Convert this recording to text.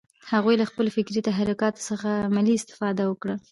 هغوی له خپلو فکري تحرکات څخه عملي استفاده وکړه